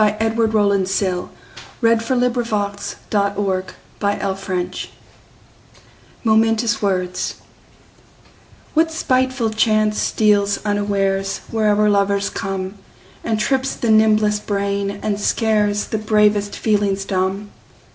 Edward Rowland Sill 1841–1887 Edward Rowland Sill 209 Momentous Words WHAT spiteful chance steals unawaresWherever lovers come, And trips the nimblest brain and scaresThe bravest feelings dumb?